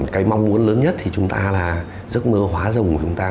cái mong muốn lớn nhất thì chúng ta là giấc mơ hóa rồng của chúng ta